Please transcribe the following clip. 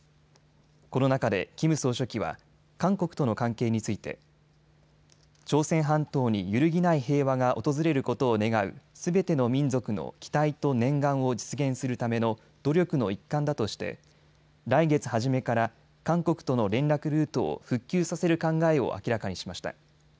この中でキム総書記は韓国との関係について朝鮮半島に揺るぎない平和が訪れることを願うすべての民族の期待と念願を実現するための努力の一環だとして来月初めから韓国との連絡ルートを復旧させる考えを明らかにしました。